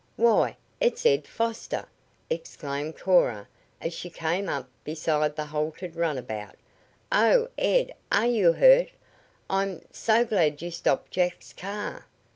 "Why, it's Ed Foster!" exclaimed Cora as she came up beside the halted runabout. "Oh, Ed, are you hurt? I'm so glad you stopped Jack's car.